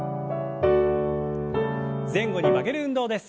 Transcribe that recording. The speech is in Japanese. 前後に曲げる運動です。